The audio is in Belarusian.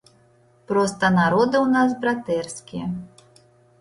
Проста народы ў нас братэрскія.